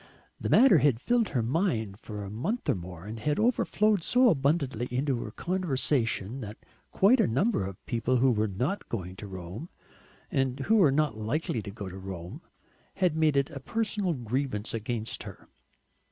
The matter had filled her mind for a month or more, and had overflowed so abundantly into her conversation that quite a number of people who were not going to Rome, and who were not likely to go to Rome, had made it a personal grievance against her.